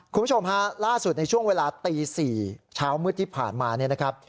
คุณผู้ชมฮะล่าสุดในช่วงเวลาตี๔เช้ามืดที่ผ่านมาเนี่ยนะครับ